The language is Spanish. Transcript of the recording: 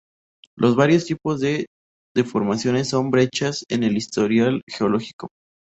Los varios tipos de deformaciones son brechas en el historial geológico.